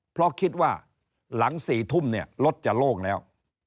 เพราะคิดว่าหลัง๔ทุ่มเนี่ยรถจะโล่งแล้ว